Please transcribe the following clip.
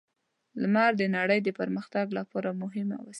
لمر د نړۍ د پرمختګ لپاره مهمه وسیله ده.